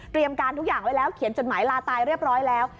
การทุกอย่างไว้แล้วเขียนจดหมายลาตายเรียบร้อยแล้ว